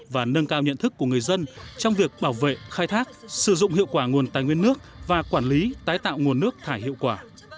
và nâng cao nhận thức của người dân trong việc bảo vệ khai thác sử dụng hiệu quả nguồn tài nguyên nước và quản lý tái tạo nguồn nước thải hiệu quả